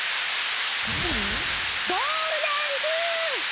ゴールデンジュース！